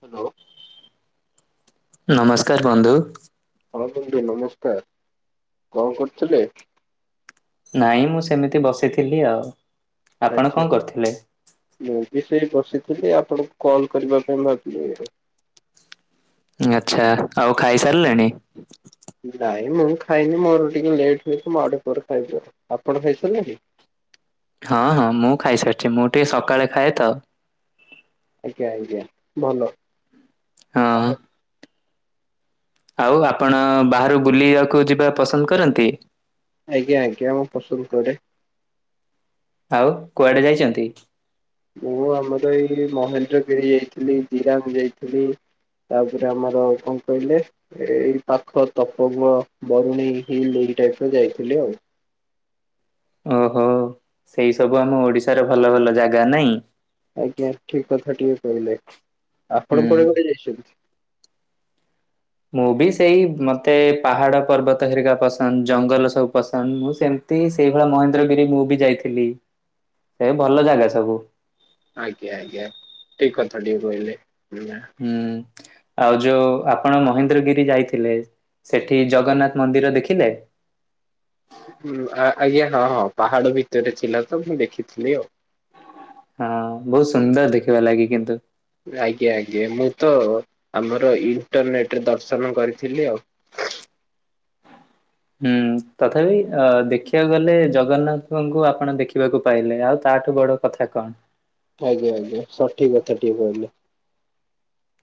Hello. ନମସ୍କାର ବନ୍ଧୁ। ହଁ ବନ୍ଧୁ ନମସ୍କାର କଁ କରୁଥୁଲେ? ନାଇଁ ମୁଁ ସେମିତି ବସିଥିଲି ଆଉ। ଆପଣ କଣ ଆଚ୍ଛା କରୁଥିଲେ? ମୁଁ ବି ସେଇ ବସିଥିଲି ଆପଣଙ୍କୁ କଲ୍ କରିବା ପାଇଁ ଭାବିଲି ଆଉ। ଆଚ୍ଛା ଆଉ ଖାଇସାରିଲେଣି? ନାଇଁ ମୁଁ ଖାଇନି ମୋର ଟିକେ ଲେଟ୍ ହୁଏ ତ ମୁଁ ଆଉ ଟିକେ ପରେ ଖାଇବି ଆଉ। ଆପଣ ଖାଇସାରିଲେଣି? ହଁ ହଁ ମୁଁ ଖାଇସାରିଚି ମୁଁ ଟିକେ ସକାଳେ ଖାଏ ତ। ଆଜ୍ଞା ଆଜ୍ଞା ଭଲ। ହଁ। ଆଉ ଆପଣ ବାହାରୁ ବୁଲିବାକୁ ଯିବା ପସନ୍ଦ କରନ୍ତି? ଆଜ୍ଞା ଆଜ୍ଞା ମୁଁ ପସନ୍ଦ କରେ। ଆଉ କୁଆଡ଼େ ଯାଇଚନ୍ତି? ମୁଁ ଆମର ଏଇ ମହେନ୍ଦ୍ରଗିରି ଯାଇଥିଲି ଜିରାଙ୍ଗ୍ ଯାଇଥିଲି। ତାପରେ ଆମର କଁ କହିଲେ ଏଇ ପାଖ ତପଙ୍ଗ ବରୁଣେଇ ହିଲ୍ ଏଇ ଟାଇପ୍ ର ଯାଇଥିଲି ଆଉ। ଓହୋ ସେଇ ସବୁ ଆମ ଓଡ଼ିଶାର ଭଲ ଭଲ ଜାଗା, ନାଇଁ? ଆଜ୍ଞା ଠିକ୍ କଥା ଟିଏ କହିଲେ। ଆପଣ ହୁଁ। କୁଆଡ଼େ କୁଆଡ଼େ ଯାଇଛନ୍ତି? ମୁଁ ବି ସେଇ ମତେ ପାହାଡ଼ ପର୍ବତ ହେରିକା ପସନ୍ଦ ଜଙ୍ଗଲ ସବୁ ପସନ୍ଦ ମୁଁ ସେମ୍ ତିସେଇଭଳିଆ ମହେନ୍ଦ୍ରଗିରି ମୁଁ ବି ଯାଇଥିଲି। ସେ ଭଲ ଜାଗା ସବୁ। ଆଜ୍ଞା ଆଜ୍ଞା ଠିକ୍ କଥା ଟିଏ କହିଲେ। ହୁଁ। ଆଉ ଯୋଉ ଆପଣ ମହେନ୍ଦ୍ରଗିରି ଯାଇଥିଲେ ସେଠି ଜଗନ୍ନାଥ ମନ୍ଦିର ଦେଖିଲେ। ଆଜ୍ଞା ହଁ ହଁ ପାହାଡ ଭିତରେ ଥିଲା ତ ମୁଁ ଦେଖିଥିଲି ଆଉ। ହଁ ବହୁତ ସୁନ୍ଦର ଦେଖିବା ଲାଗି କିନ୍ତୁ। ଆଜ୍ଞା ଆଜ୍ଞା ମୁଁ ତ ଆମର ଇଣ୍ଟରନେଟରେ ଦର୍ଶନ କରିଥିଲି ଆଉ। ହୁଁ ତଥାପି ଅ ଦେଖିବାକୁ ଗଲେ ଜଗନ୍ନାଥଙ୍କୁ ଆପଣ ଦେଖିବାକୁ ପାଇଲେ ଆଉ ତାଠୁ ବଡ କଥା କଣ? ଆଜ୍ଞା ଆଜ୍ଞା ସଠିକି କଥା ଟିଏ କହିଲେ।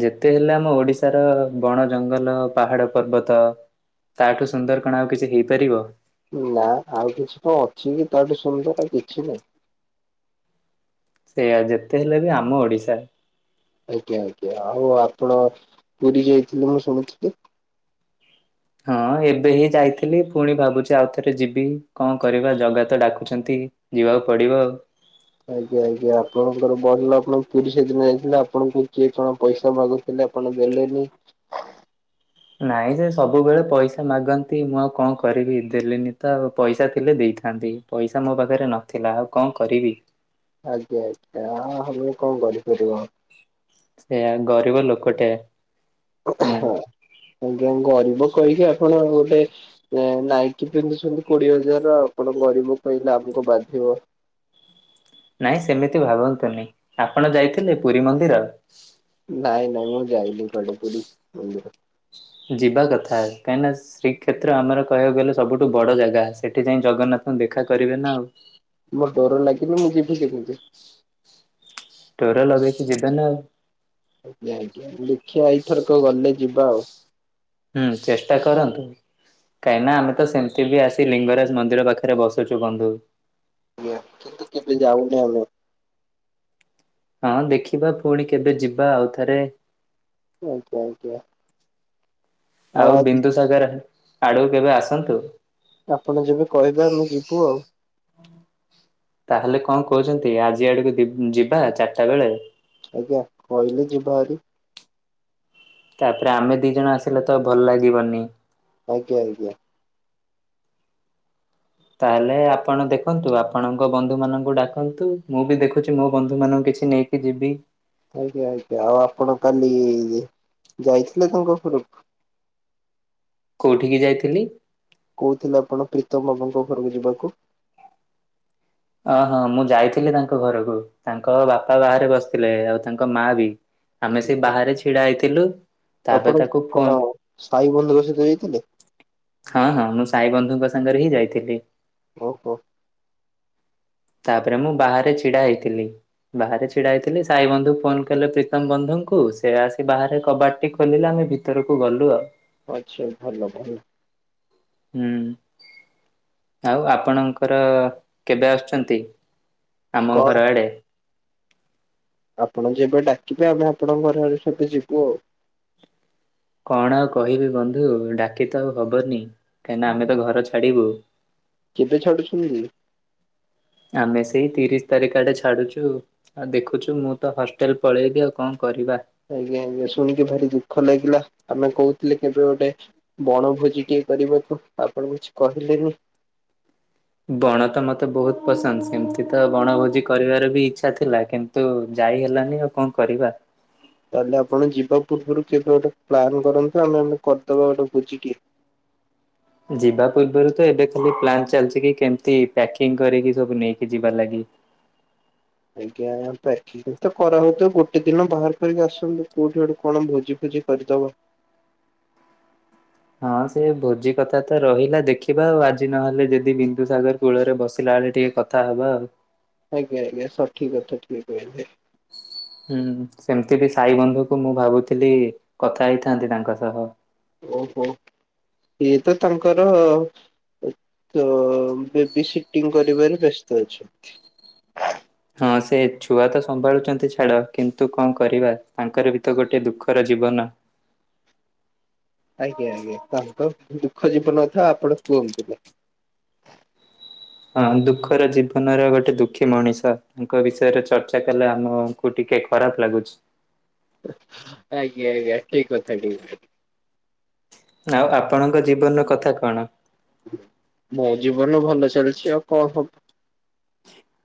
ଯେତେ ହେଲେ ଆମ ଓଡିଶାର ବଣ ଜଙ୍ଗଲ ପାହାଡ ପର୍ବତ। ତାଠୁ ସୁନ୍ଦର କଣ ଆଉ କିଛି ହେଇପାରିବ। ନା ଆଉ କିଛି କଣ ଅଛି କି ତାଠୁ ସୁନ୍ଦର ଆଉ କିଛି ନାହିଁ। ସେଇଆ ଯେତେ ହେଲେ ବି ଆମ ଓଡିଶା। ଆଜ୍ଞା ଆଜ୍ଞା ଆଉ ଆପଣ ପୁରୀ ଯାଇଥିଲେ ମୁଁ ଶୁଣିୁଥିଲି। ହଁ ଏବେ ହିଁ ଯାଇଥିଲି। ପୁଣି ଭାବୁଛି ଆଉଥରେ ଯିବି କଣ କରିବା ଜଗା ତ ଡାକୁଛନ୍ତି। ଯିବାକୁ ପଡିବ। ଆଜ୍ଞା ଆଜ୍ଞା ଆପଣଙ୍କର ଭଲ ଆପଣ ପୁରୀ ସେଦିନ ଯାଇଥିଲେ ଆପଣଙ୍କୁ କିଏ କଣ ପଇସା ମାଗୁ ହେଲେ ଆପଣ ଦେଲେନି। ନାଇଁ ସେ ସବୁବେଳେ ପଇସା ମାଗନ୍ତି। ମୁଁ ଆଉ କଣ କରିବି ଦେଲିନି ତ ଆଉ ପଇସା ଥିଲେ ଦେଇଥା ଥାନ୍ତି ପଇସା ମୋ ପାଖରେ ନଥିଲା ଆଉ କଣ କରିବି। ଆଜ୍ଞା ଆଜ୍ଞା ହଁ କଣ କରିପାରିବ। ସେୟା ଗରିବ ଲୋକଟେ। ମୁଁ। ହଁ ଆଜ୍ଞା ଗରିବ କହିକି ଆପଣ ଗୋଟେ ନାଇଟି ପିନ୍ଧୁଛନ୍ତି କୋଡିଏ ହଜାର ଆପଣ ଗରିବ କହିଲେ ଆମକୁ ବାଧିବ। ନାଇଁ ସେମିତି ଭାବନ୍ତୁନି ଆପଣ ଯାଇଥିଲେ ପୁରୀ ମନ୍ଦିର? ନାଇଁ ନାଇଁ ମୁଁ ଯାଇନି କୁଆଡ଼େ ପୁରୀ ମନ୍ଦିର। ଯିବା କଥା କାହିଁକିନା ଶ୍ରୀକ୍ଷେତ୍ର ଆମର କହିବାକୁ ଗଲେ ସବୁଠୁ ବଡ଼ ଜାଗା ସେଠି ଯାଇ ଜଗନ୍ନାଥଙ୍କୁ ଦେଖା କରିବେ ନା ଆଉ ମୋର ଡର ଲାଗିଲେ ମୁଁ ଯିବି କେମିତି? ଡୋର ଲଗେଇକି ଯିବେ ନା ଆଉ ଆଜ୍ଞା ଆଜ୍ଞା ଦେଖିବା ଏଇଥରକ ଗଲେ ଯିବା ଆଉ ହୁଁ ଚେଷ୍ଟା କରନ୍ତୁ। କାହିଁକି ନା ଆମେ ତ ସେମତି ବି ଆସି ଲିଙ୍ଗରାଜ ମନ୍ଦିର ପାଖରେ ବସୁଚୁ ବନ୍ଧୁ। ଆଜ୍ଞା କିନ୍ତୁ କେବେ ଯାଉନି ଆମେ। ହଁ ଦେଖିବା ପୁଣି କେବେ ଯିବା ଆଉଥରେ। ଆଜ୍ଞା ଆଜ୍ଞା। ଆଉ ବିନ୍ଦୁସାଗର ଆଡକୁ କେବେ ଆସନ୍ତୁ। ଆପଣ ଯେବେ କହିବେ ଆମେ ଯିବୁ ଆଉ ତାହେଲେ କଣ କହୁଛନ୍ତି ଆଜି ଆଡକୁ ଯିବା ଚାରିଟା ବେଳେ? ଆଜ୍ଞା କହିଲେ ଯିବା ହାରି। ତାପରେ ଆମେ ଦି ଜଣ ଆସିଲେ ତ ଭଲ ଲାଗିବନି? ଆଜ୍ଞା ଆଜ୍ଞା ତାହେଲେ ଆପଣ ଦେଖନ୍ତୁ ଆପଣଙ୍କ ବନ୍ଧୁ ମାନଙ୍କୁ ଡାକନ୍ତୁ ମୁଁ ବି ଦେଖୁଛି ମୋ ବନ୍ଧୁ ମାନଙ୍କୁ କିଛି ନେଇକି କି ଯିବି। ଆଜ୍ଞା ଆଜ୍ଞା ଆଉ ଆପଣ କାଲି ଯାଇଥିଲେ ଗଙ୍ଗପୁର କୁ? କୋଉଠିକି ଯାଇଥିଲି? କହୁଥିଲେ ଆପଣ ପ୍ରୀତମ ବାବୁଙ୍କ ଘରକୁ ଯିବାକୁ? ଅହ ମୁଁ ଯାଇଥିଲି ତାଙ୍କ ଘରକୁ ତାଙ୍କ ବାପା ବାହାରେ ବସିଥିଲେ ଆଉ ତାଙ୍କ ମା ବି। ଆମେ ସେ ବାହାରେ ଛିଡା ହେଇଥିଲୁ। ତାପରେ ତାକୁ ଆପଣଙ୍କ ଫୋନ ଅଁ ସାଇ ବନ୍ଧୁ ଙ୍କ ସହିତ ଯାଇଥିଲେ। ହଁ ହଁ ମୁଁ ସାଇ ବନ୍ଧୁଙ୍କ ସାଙ୍ଗରେ ହିଁ ଯାଇଥିଲି। ଓହୋ। ତାପରେ ମୁଁ ବାହାରେ ଛିଡା ହେଇଥିଲି। ବାହାରେ ଛିଡା ହେଇଥିଲି ସାଇ ବନ୍ଧୁ ଫୋନ କଲେ ପ୍ରୀତମ ବନ୍ଧୁଙ୍କୁ ସେ ଆସି ବାହାରେ କବାଟ ଟି ଖୋଲିଲେ ଆମେ ଭି ଭିତର କୁ ଗଲୁ ଆଉ। ଆଛା ଭଲ ଭଲ। ହୁଁ ଆଉ ଆପଣଙ୍କର କେବେ ଆସୁଛନ୍ତି। ଆମ କଣ ଘର ଆଡେ। ଆପଣ ଯେବେ ଡାକିବେ ଆମେ ଆପଣଙ୍କ ଘର ଘରେ ସେବେ ଯିବୁ ଆଉ। କଣ ଆଉ କହିବି ବନ୍ଧୁ ଡାକି ତ ଆଉ ହବନି କାହିଁକିନା ଆମେ ତ ଘର ଛାଡିବୁ। କେବେ ଛାଡୁଛନ୍ତି। ଆମେ ସେଇ ତିରିଶ ତାରିଖ ଆଡେ ଛାଡୁଚୁ। ଆଉ ଦେଖୁଛୁ ମୁଁ ତ ହଷ୍ଟେଲ ପଳେଇବି ଆଉ କଣ କରିବା। ଆଜ୍ଞା ଆଜ୍ଞା ଶୁଣିକି ଭାରି ଦୁଃଖ ଲାଗିଲା ଆମେ କହୁଥିଲେ କେବେ ଗୋଟେ। ବଣଭୋଜି ଟିଏ କରିବାକୁ ଆପଣ କିଛି କହିଲେନି। ବଣ ତ ମୋତେ ବହୁତ ପସନ୍ଦ ସେମିତି ତ ବଣଭୋଜି କରିବାର ବି ଇଚ୍ଛା ଥିଲା କିନ୍ ନ୍ତୁ ଯାଇ ହେଲାନି ଆଉ କଣ କରିବା। ତାହେଲେ ଆପଣ ଯିବା ପୂର୍ବରୁ କେବେ ଗୋଟେ ପ୍ଲାନ୍ କରନ୍ତୁ ଆମେ ନହେଲେ କରିଦବା ଗୋଟେ ଭୁଜିଟିଏ। ଯିବା ପୂର୍ବରୁ ତ ଏବେ ଖାଲି ପ୍ଲାନ୍ ଚାଲିଛି କି କେମିତି ପ୍ୟାକିଂ କରିକି ସବୁ ନେଇକି ଯିବା ଲାଗି। ଆଜ୍ଞା ହଁ ପ୍ୟାକି କିଂ ତ କରା ହଉଥିବ ଗୋଟେ ଦିନ ବାହାର କରିକି ଆସନ୍ତୁ କୋଉଠି ଗୋଟେ କଣ ଭୋଜି ଫୋଜି କରିଦବା। ହଁ ସେ ଭୋଜି କଥା ତ ରହିଲା ଦେଖିବା ଆଉ ଆଜି ନହେଲେ ଯଦି ବିନ୍ଦୁସାଗର। କୂଳରେ ବସିଲା ବେଳେ ଟିକେ କଥା ହବା ଆଉ। ଆଜ୍ଞା, ଆଜ୍ଞା, ସଠିକ୍ କଥାଟିଏ କହିଲେ। ହୁଁ ସେମିତି ବି ସାଇ ବନ୍ଧୁକୁ ମୁଁ ଭାବୁଥିଲି କଥା ହେଇଥାନ୍ତି ତାଙ୍କ ସହ। ଓହୋ, ସିଏ ତ ତାଙ୍କର। ତ ବେବି ସିଟିଂ କରିବାରେ ବ୍ୟସ୍ତ ଅଛନ୍ତି। ହଁ ସେ ଛୁଆ ତ ସମ୍ଭାଳୁଛନ୍ତି ଛାଡ଼ କିନ୍ତୁ କଣ କରିବା ତାଙ୍କର ବି ତ ଗୋଟେ ଦୁଃଖର ଜୀବନ। ଆଜ୍ଞା, ଆଜ୍ଞା, ତାଙ୍କ ଦୁଃଖ ଜୀବନ କଥା ଆଉ ଆପଣ କୁହନ୍ତୁ ନି। ହଁ ଦୁଃଖର ଜୀବନର ଗୋଟେ ଦୁଃଖୀ ମଣିଷ ତାଙ୍କ ବିଷୟରେ ଚର୍ଚ୍ଚା କଲେ ଆମକୁ। କୁ ଟିକେ ଖରାପ ଲାଗୁଛି। ଆଜ୍ଞା, ଆଜ୍ଞା ଠିକ୍ କଥା ବି। ଆଉ ଆପଣଙ୍କ ଜୀବନର କଥା କଣ। ମୋ ଜୀବନ ଭଲ ଚାଲିଛି ଆଉ କଣ ହବ।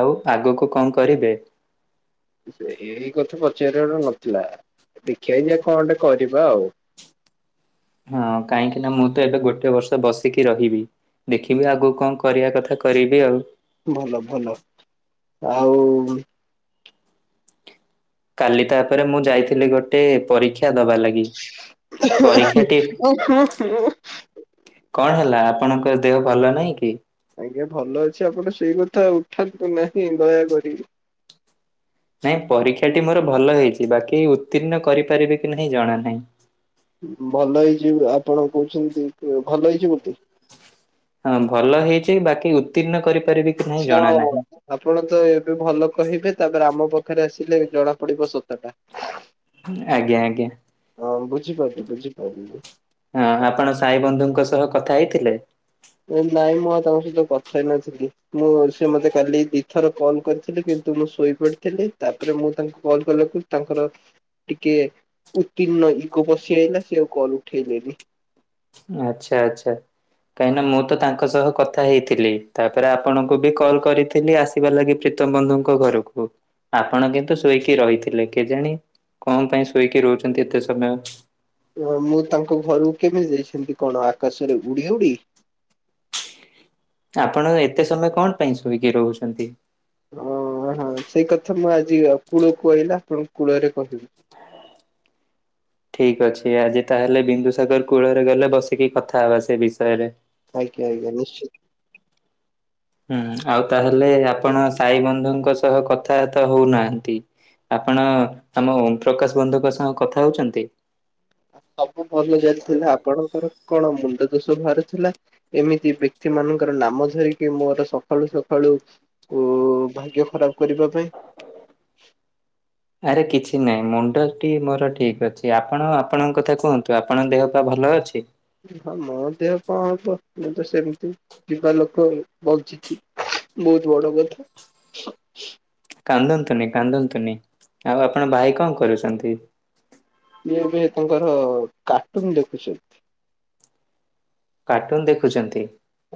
ଆଉ ଆଗକୁ କଁ କରିବେ। ସେ ଏଇ କଥା ପଚାରିବାର ନଥିଲା ଦେଖିବା କି କଣ ଗୋଟେ କରିବା ଆଉ। ହଁ କାହିଁକି ନା ମୁଁ ତ ଏବେ ଗୋଟେ ବର୍ଷ ବସିକି ରହିବି। ଦେଖିବି ଆଗକୁ କଁ କରିବା କଥା କରିବି ଆଉ। ଭଲ ଭଲ ଆଉ। କାଲି ତାପରେ ମୁଁ ଯାଇଥିଲି ଗୋଟେ ପରୀକ୍ଷା ଦବା ଲାଗି। ପରୀକ୍ଷାଟି [unintelligible] କଣ ହେଲା ଆପଣଙ୍କ ଦେହ ଭଲ ନାହିଁ କି। ଆଜ୍ଞା, ଭଲ ଅଛି ଆପଣ ଟିକେ ସେଇ କଥା ଉଠାନ୍ତୁ ନାହିଁ ଦୟାକରି। ନାଇଁ ପରୀକ୍ଷା ଟି ମୋର ଭଲ ହେଇଛି ବାକି ଉତ୍ତୀର୍ଣ୍ଣ କରିପାରିବି କି ନାହିଁ ଜଣା ନାହିଁ। ଭଲ ହେଇଛି ଆପଣ କହୁଛନ୍ତି ଭଲ ହେଇଛି ବୋଲି। ହଁ ଭଲ ହେଇଛି ବାକି ଉତ୍ତୀର୍ଣ୍ଣ କରିପାରିବି। କି ନାହିଁ ଜଣା ନାହିଁ। [unintelligible] ଆପଣ ତ ଏବେ ଭଲ କହିବେ ତାପରେ ଆମ ପାଖରେ ଆସିଲେ ଜଣା ପଡ଼ିବ ସତା ଟା। ଆଜ୍ଞା, ଆଜ୍ଞା। ହଁ ବୁଝିପାରିଲି ବୁଝିପାରିଲି। ହଁ ଆପଣ ସାଇ ବନ୍ଧୁଙ୍କ ସହ କଥା ହେଇଥିଲେ? ନାଇଁ ମୁଁ ଆଉ ତାଙ୍କ ସହିତ କଥା ହେ ନଥିଲି। ମୁଁ ସେ ମତେ କାଲି ଦିଥର କଲ୍ କରିଥିଲି କିନ୍ତୁ ମୁଁ ଶୋଇପଡ଼ିଥିଲି ତାପରେ ମୁଁ ତାଙ୍କୁ କଲ୍ କଲାକୁ ତାଙ୍କର ଟିକେ ଉତ୍ତୀର୍ଣ୍ଣ ଇଗୋପଶି ଆଇଲା ସେ ଆଉ କଲ ଉଠେଇଲେନି। ଆଚ୍ଛା, ଆଚ୍ଛା। କାହିଁକିନା ମୁଁ ତ ତାଙ୍କ ସହ କଥା ହେଇଥିଲି, ତାପରେ ଆପଣଙ୍କୁ ବି କଲ୍ କରିଥିଲି ଆ ଥିବା ଲାଗି ପ୍ରୀତମ ବନ୍ଧୁଙ୍କ ଘରକୁ ଆପଣ କିନ୍ତୁ ଶୋଇକି ରହିଥିଲେ, କେଜାଣି କଣ ପାଇଁ ଶୋଇକି ରହୁଛନ୍ତି ଏତେ ସମୟ? ଅ ମୁଁ ତାଙ୍କ ଘରକୁ କେମିତି ଯାଇଥାନ୍ତି କଣ ଆକାଶରେ ଉଡ଼ି କି? ଆପଣ ଏତେ ସମୟ କଣ ପାଇଁ ଶୋଇକି ରହୁଛନ୍ତି? ଓ ହଁ ସେଇ କଥା ମୁଁ ଆଜି କୂଳ କୁ ଆସିଲେ ଆପଣଙ୍କୁ କୂଳରେ [unintelligible] ଠିକ୍ ଅଛି ଆଜି ତାହେଲେ ବିନ୍ଦୁସାଗର କୂଳରେ ଗଲେ ବସିକି କଥା ହେବା ସେ ବିଷୟରେ। ଆଜ୍ଞା, ଆଜ୍ଞା, ନିଶ୍ଚିତ। ହୁଁ, ଆଉ ତାହେଲେ ଆପଣ ସାଇ ବନ୍ଧୁଙ୍କ ସହ କଥାବାର୍ତ୍ତା ହୋଉନାହାନ୍ତି? ଆପଣ ଆମ ଓମପ୍ରକାଶ ବନ୍ଧୁଙ୍କ ସହ କଥା ହୋଉଛନ୍ତି? ସବୁ ଭଲ ଚାଲିଥିଲା ଆପଣଙ୍କର କଣ ମୁଣ୍ଡ ଦୋଷ ବାହାରି ଥିଲା? ଏମିତି ବ୍ୟକ୍ତି ମାନଙ୍କର ନାମ ଧରିକି ମୋର ସକାଳୁ ସକାଳୁ ଓ ଭାଗ୍ୟ ଖରାପ କରିବା ପାଇଁ। ଆରେ କିଛି ନାହିଁ ମୁଣ୍ଡଟି ମୋର ଠିକ ଅଛି ଆପଣ ଆପଣଙ୍କ କଥା କୁହନ୍ତୁ ଆପଣଙ୍କ ଦେହ ପା ଭଲ ଅଛି? ହଁ ମୋ ଦେହ କଣ କୁ ମୁଁ ତ ସେମିତି ଯିବା ଲୋକ ବଞ୍ଚି ବହୁତ ବଡ଼ କଥା। କାନ୍ଦନ୍ତୁନି କାନ୍ଦନ୍ତୁନି ଆଉ ଆପଣ ଭାଇ କଣ କରୁଛନ୍ତି? ଏବେ ତାଙ୍କର କାର୍ଟୁନ ଦେଖୁଛ କାର୍ଟୁନ ଦେଖୁଛନ୍ତି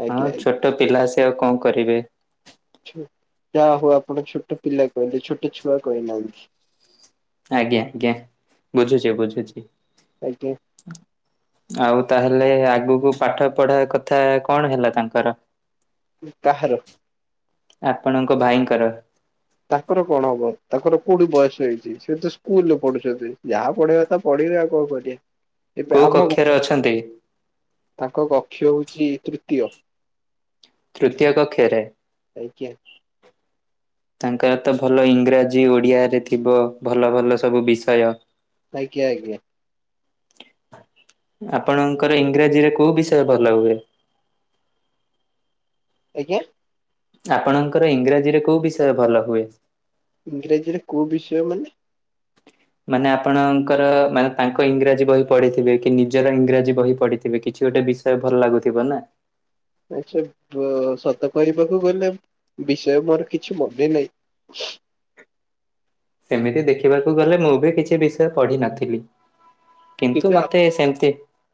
ଆଜ୍ଞା ହଁ ଛୋଟ ପିଲାସେ ଆଉ କଣ କରିବେ। ଯାହା ହଉ ଆପଣ ଛୋଟ ପିଲା କହିଲେ ଛୋଟ ଛୁଆ କହିନାହାନ୍ତି। ଆଜ୍ଞା ଆଜ୍ଞା ବୁଝୁଚି ବୁଝୁଚି। ଆଜ୍ଞା। ଆଉ ତାହେଲେ ଆଗକୁ ପାଠପଢା କଥା କଣ ହେଲା ତାଙ୍କର? କାହାର? ଆପଣଙ୍କ ଭାଇଙ୍କର? ତାଙ୍କର କଣହବ ତାଙ୍କର କୋଉଠି ବୟସ ହେଇଛି ସେତ ସ୍କୁଲ ରେ ପଢୁଛନ୍ତି, ଯାହା ପଢେଇବା କଥା ପଢିଲେ ଆଉ କଣ କରିବେ ଏବେ କୋଉ ଆମ କକ୍ଷରେ ଗୁପତା ଅଛନ୍ତି? ତାଙ୍କ କକ୍ଷ ହଉଛି ତୃତୀୟ। ତୃତୀୟ କକ୍ଷରେ। ଆଜ୍ଞା। ତାଙ୍କରତ ଭଲ ଇଂରାଜୀ ଓଡିଆରେ ଥିବ ଭଲ ଭଲ ସବୁ ବିଷୟ। ଆଜ୍ଞା ଆଜ୍ଞା। ଆପଣଙ୍କର ଇଂରାଜୀରେ କୋଉ ବିଷୟ ଭଲ ହୁଏ? ଆଜ୍ଞା। ଆପଣଙ୍କର ଇଂରାଜୀରେ କୋଉ ବିଷୟ ଭଲ ହୁଏ? ଇଂରାଜୀରେ କୋଉ ବିଷୟ ମାନେ ମାନେ ଆପଣଙ୍କର ମାନେ ତାଙ୍କ ଇଂରାଜୀ ବହି ପଢିଥିବେକି ନିଜର ଇଂରାଜୀ ବହି ପଢିଥିବେ କିଛି ଗୋଟେ ବିଷୟ ଏବେ ଭଲ ଲାଗୁଥିବନା ଆଛା ସତ କରିବାକୁ ଗଲେ ବିଷୟ ମୋର କିଛି ମନେ ନାହିଁ। ଏମିତି ଦେଖିବାକୁ ଗଲେ ମୁଁ ବି କିଛି ବିଷୟ ପଢିନଥିଲି। କିନ୍ତୁ ମତେ ସେମତି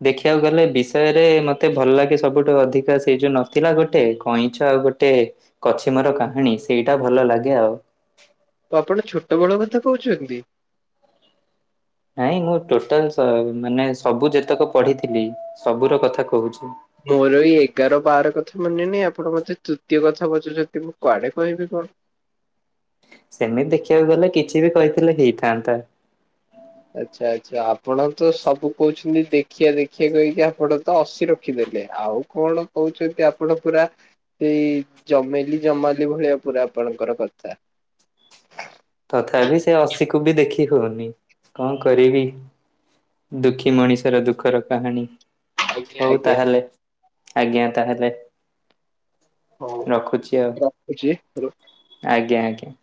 ଦେଖିବାକୁ ଗଲେ ବିଷୟରେ ମତେ ଭଲ ଲାଗେ ସବୁଠୁ ଅଧିକା ସେଇ ଯୋଉ ନଥିଲା ଗୋଟେ କଇଁଛ ଆଉ ଗୋଟେ କଛିମର କାହାଣୀ ସେଇଟା ଭଲ ଲାଗେ ଆଉ। ତ ଆପଣ ଛୋଟବେଳ କଥା କହୁଛନ୍ତି। ନାଇଁ ମୁଁ ଟୋଟାଲ୍ ସ ଉ ମାନେ ସବୁ ଯେତକ ପଢିଥିଲି ସବୁର କଥା କହୁଛି। ମୋର ଏଇ ଏଗାର ବାର କଥା ମନେନାହିଁ ଆପଣ ମତେ ତୃତୀୟ କଥା ବୁଝୁଛନ୍ତି ମୁଁ କୁଆଡେ କହିବି କଣ। ସେମିତି ଦେଖିବାକୁ ଗଲେ କିଛି ବି କହିଥିଲେ ହେଇଥାନ୍ତା। ଆଚ୍ଛା ଆଚ୍ଛା ଆପଣ ତ ସବୁ କହୁଛନ୍ତି ଦେଖିଆ ଦେଖିଆ କହିକି ଆପଣ ତ ଅଶି ରଖିଦେଲେ ଆଉ କଣ କହୁଛନ୍ତି ଆପଣ ପୁରା ଏଇ ଜମେଲି ଜମାଲି ଭଳିଆ ପୁରା ଆପଣଙ୍କର କଥା। ତଥାପି ସେ ଅଶିକୁ ବି ଦେଖି ହଉନି କଁ କରିବି। ଦୁଃଖୀ ମଣିଷର ଦୁଃଖର କାହାଣୀ। ଆଜ୍ଞା ହଉ ଆଜ୍ଞା ତାହେଲେ ଆଜ୍ଞା ତାହେଲେ ହଁ ରଖୁଛି ଆଉ ରଖୁଛି ଆଜ୍ଞା ଆଜ୍ଞା।